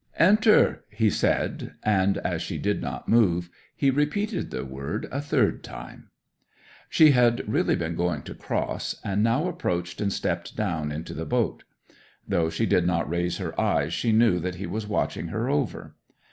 '"Enter!" he said, and, as she did not move, he repeated the word a third time. 'She had really been going to cross, and now approached and stepped down into the boat. Though she did not raise her eyes she knew that he was watching her over.